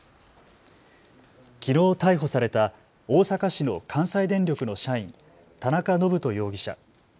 きのう逮捕された大阪市の関西電力の社員、田中信人容疑者。